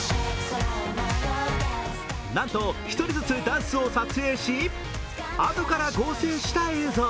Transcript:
なんと１人ずつダンスを撮影しあとから合成した映像。